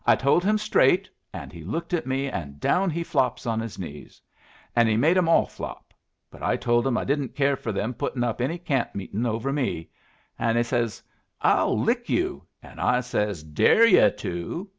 "I told him straight, an' he looked at me an' down he flops on his knees. An' he made 'em all flop, but I told him I didn't care for them putting up any camp meeting over me; an' he says, 'I'll lick you,' an' I says, 'Dare you to!'